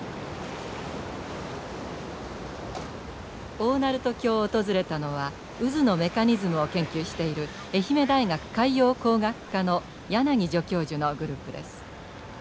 大鳴門橋を訪れたのは渦のメカニズムを研究している愛媛大学海洋工学科の柳助教授のグループです。